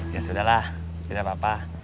ya sudah lah tidak apa apa